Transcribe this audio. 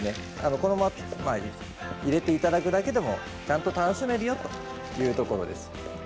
このまま入れていただくだけでもちゃんと楽しめるよというところです。